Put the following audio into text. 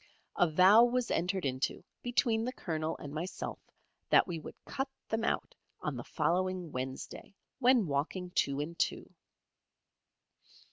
A vow was entered into between the Colonel and myself that we would cut them out on the following Wednesday, when walking two and two.